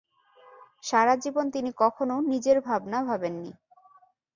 সারা জীবন তিনি কখনও নিজের ভাবনা ভাবেননি।